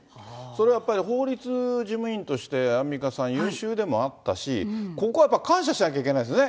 それはやっぱり、法律事務員として、アンミカさん、優秀でもあったし、ここはやっぱ、感謝しなきゃいけないですね。